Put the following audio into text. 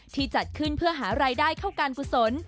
จัดขึ้นเพื่อหารายได้เข้าการกุศล